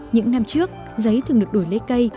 những năm trước giấy thường được đổi lấy cây